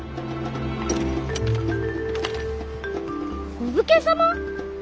お武家様！？